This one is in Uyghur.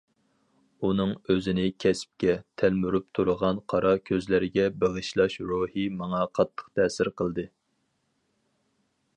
ئۇنىڭ ئۆزىنى كەسىپكە، تەلمۈرۈپ تۇرغان قارا كۆزلەرگە بېغىشلاش روھى ماڭا قاتتىق تەسىر قىلدى.